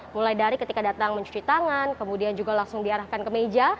mulai dari ketika datang mencuci tangan kemudian juga langsung diarahkan ke meja